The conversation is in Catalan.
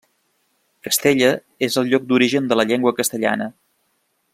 Castella és el lloc d'origen de la llengua castellana.